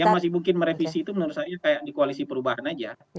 yang masih mungkin merevisi itu menurut saya kayak di koalisi perubahan aja